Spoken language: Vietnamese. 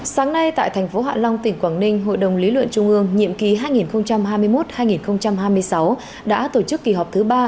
sáng nay tại thành phố hạ long tỉnh quảng ninh hội đồng lý luận trung ương nhiệm ký hai nghìn hai mươi một hai nghìn hai mươi sáu đã tổ chức kỳ họp thứ ba